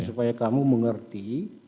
supaya kamu mengerti